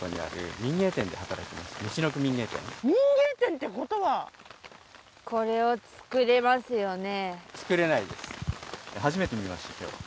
みちのく民芸店民芸店ってことはこれを作れますよね